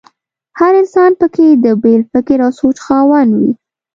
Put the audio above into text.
هر انسان په کې د بېل فکر او سوچ خاوند وي.